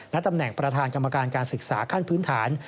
ตำแหน่งประธานกรรมการการศึกษาขั้นพื้นฐาน